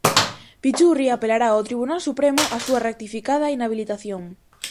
Pichurri apelará ao Tribunal Supremo a súa ratificada inhabilitación.